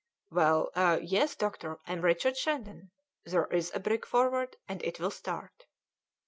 "Well, yes, doctor, I am Richard Shandon; there is a brig Forward, and it will start."